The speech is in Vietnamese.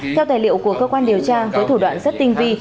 theo tài liệu của cơ quan điều tra với thủ đoạn rất tinh vi